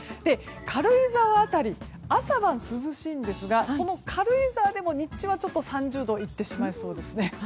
軽井沢辺り、朝は涼しいんですがその軽井沢でも日中は３０度にいってしまいそうですね。